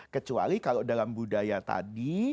kecuali kalau dalam budaya tadi